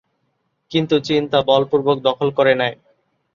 কিন্তু চীন তা বল পূর্বক দখল করে নেয়।